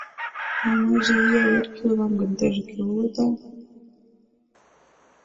Но мыйже ия эрге улам гын, теже кӧ улыда?